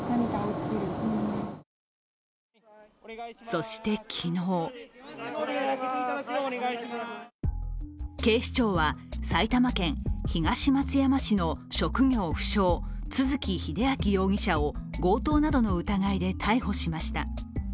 そして、昨日警視庁は埼玉県東松山市の職業不詳都築英明容疑者を強盗などの疑いで逮捕しました。